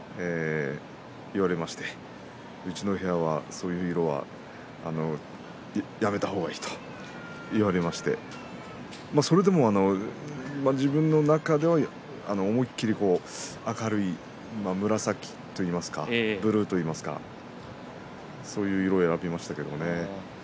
言われましてうちの部屋は、そういう色はやめた方がいいと言われましてそれでも自分の中では思いっきり明るい紫といいますかブルーといいますかそういう色を選びましたけれどもね。